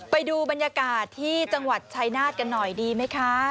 ไปดูบรรยากาศที่จังหวัดชายนาฏกันหน่อยดีไหมคะ